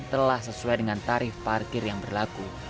telah sesuai dengan tarif parkir yang berlaku